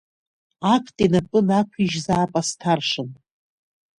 Ақҭ инапы нақәижьзаап асҭаршын.